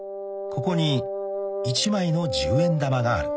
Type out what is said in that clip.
［ここに一枚の１０円玉がある］